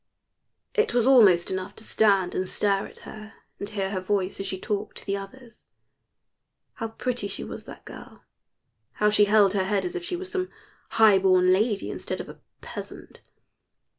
It was almost enough to stand and stare at her and hear her voice as she talked to the others. How pretty she was that girl how she held her head as if she was some high born lady instead of a peasant!